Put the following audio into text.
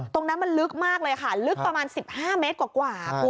ตรงนั้นมันลึกมากเลยค่ะลึกประมาณ๑๕เมตรกว่าคุณ